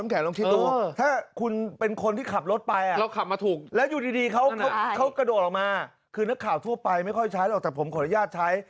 เขาสวยไม่ใช่อะไร